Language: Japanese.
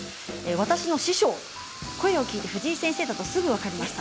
私の師匠、声を聞いて藤井先生だとすぐ分かりました。